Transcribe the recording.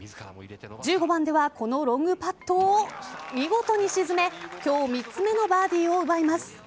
１５番ではこのロングパットを見事に沈め今日３つ目のバーディーを奪います。